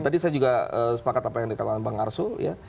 tadi saya juga sepakat apa yang dikatakan bang arsul ya